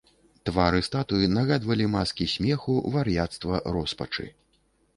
Твары статуй нагадвалі маскі смеху, вар'яцтва, роспачы.